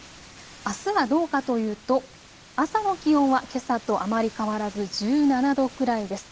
あすはどうかというと朝の気温はけさとあまり変わらず１７度くらいです。